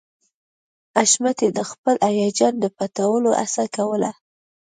حشمتي د خپل هيجان د پټولو هڅه کوله